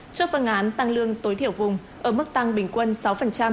cho phân án tăng lương tối thiểu vùng ở mức tăng bình quân sáu